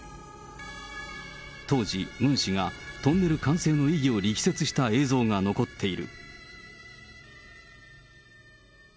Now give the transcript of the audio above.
当時、ムン氏がトンネル完成の意義を力説した映像が残っている。